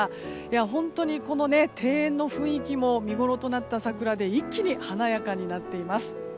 本当にこの庭園の雰囲気も見ごろとなった桜で一気に華やかになっています。